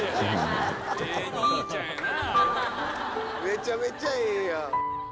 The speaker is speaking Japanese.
めちゃめちゃええやん。